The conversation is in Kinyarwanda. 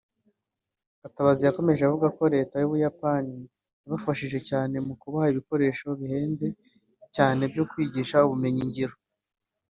Gatabazi yakomeje avuga ko Leta y’Ubuyapani yabafashije cyane mu kubaha ibikoresho bihenze cyane byo kwigisha ubumenyi ngiro